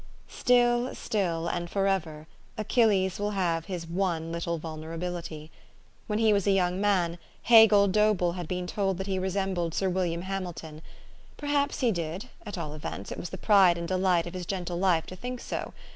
Still, still, and forever, Achilles will have his one little vulnerabilit}'. When he was a young man, Hegel Dobell had been told that he resembled Sir William Hamilton. Perhaps he did : at all events, it was the pride and delight of his gentle life to think so.